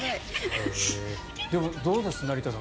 でも、どうです、成田さん